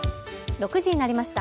６時になりました。